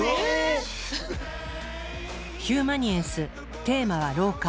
ヒューマニエンス、テーマは老化。